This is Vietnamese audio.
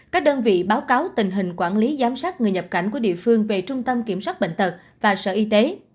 các đơn vị báo cáo tình hình quản lý giám sát người nhập cảnh của địa phương về trung tâm kiểm soát bệnh tật và sở y tế